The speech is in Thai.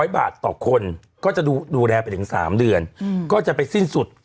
๐บาทต่อคนก็จะดูแลไปถึง๓เดือนก็จะไปสิ้นสุด